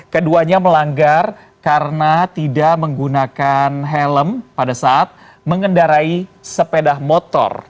keduanya melanggar karena tidak menggunakan helm pada saat mengendarai sepeda motor